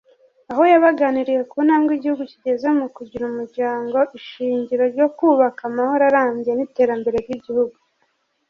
aho yabaganiriye ku ntambwe igihugu kigeze mu kugira umuryango ishingiro ryo kubaka amahoro arambye n’iterambere ry’igihugu